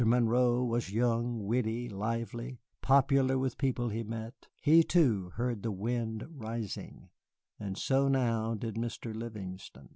Monroe was young, witty, lively, popular with people he met. He, too, heard the wind rising, and so now did Mr. Livingston.